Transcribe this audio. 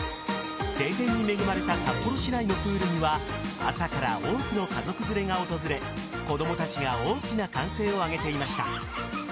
晴天に恵まれた札幌市内のプールには朝から多くの家族連れが訪れ子供たちが大きな歓声を上げていました。